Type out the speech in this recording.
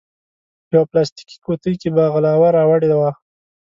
یوه پلاستیکي قوتۍ کې بغلاوه راوړې وه.